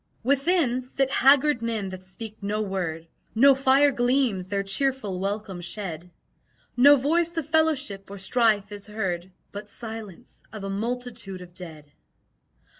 Within sit haggard men that speak no word, No fire gleams their cheerful welcome shed; No voice of fellowship or strife is heard But silence of a multitude of dead.